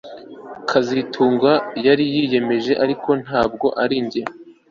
kazitunga yariyemeje ariko ntabwo ari njye